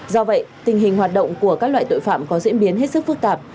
do vậy tình hình hoạt động của các loại tội phạm có diễn biến hết sức phức tạp